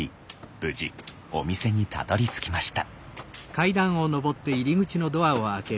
無事お店にたどりつきました。